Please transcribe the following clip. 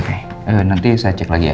oke nanti saya cek lagi ya